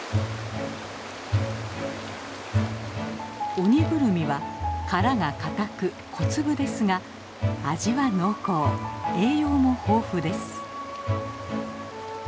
オニグルミは殻がかたく小粒ですが味は濃厚栄養も豊富です。